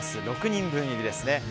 ６人分入りです。